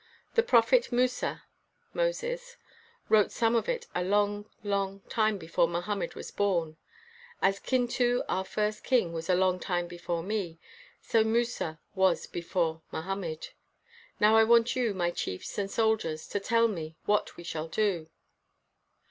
The prophet Musa [Moses] wrote some of it a long, long time before Mohammed was born. As Kin tu, our first king, was a long time before me, so Musa was before Mohammed. Now I want you, my chiefs and soldiers, to tell me what we shall do.